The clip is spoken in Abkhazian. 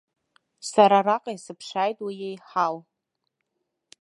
Сара араҟа исыԥшааит уи еиҳау.